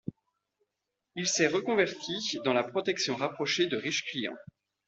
Il s'est reconverti dans la protection rapprochée de riches clients.